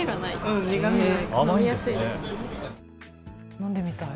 飲んでみたい！